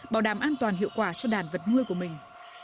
bảo đảm an toàn hiệu quả cho đàn vật nuôi của mình